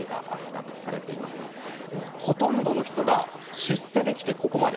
ほとんどの人が出世できてここまで。